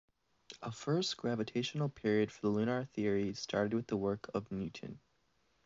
A first gravitational period for lunar theory started with the work of Newton.